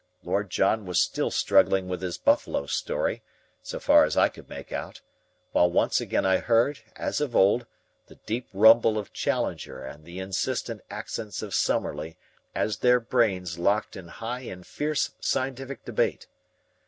Lord John was still struggling with his buffalo story, so far as I could make out, while once again I heard, as of old, the deep rumble of Challenger and the insistent accents of Summerlee as their brains locked in high and fierce scientific debate.